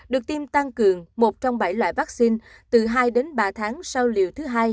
được tiêm tăng cường một trong bảy loại vaccine từ hai đến ba tháng sau liều thứ hai